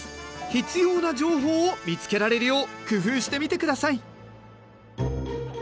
必要な情報を見つけられるよう工夫してみてください。